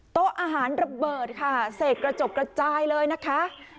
โต๊ะอาหารระเบิดค่ะเศษกระจกกระจายเลยนะคะ